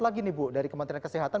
lagi nih bu dari kementerian kesehatan